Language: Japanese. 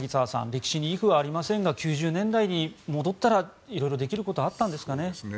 歴史にイフはありませんが９０年代に戻ったら色々できることはあったんですかね。